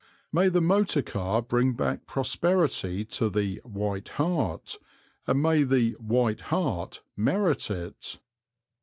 May the motor car bring back prosperity to the "White Hart," and may the "White Hart" merit it.